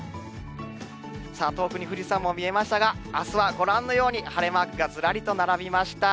遠くに富士山も見えましたが、あすはご覧のように、晴れマークがずらりと並びました。